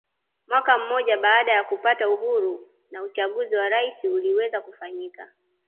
Mwaka mmoja baada ya kupata uhuru na uchaguzi wa urais uliweza kufanyika